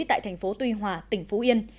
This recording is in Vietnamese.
tại thành phố tuy hòa tỉnh phú yên